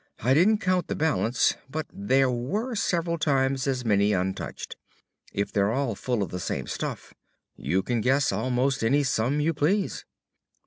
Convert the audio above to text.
"I didn't count the balance, but there were several times as many untouched. If they're all full of the same stuff, you can guess almost any sum you please."